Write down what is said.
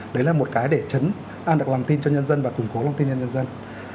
đấy là một cái để chấn an được lòng tin cho nhân dân và củng cố lòng tin cho nhân dân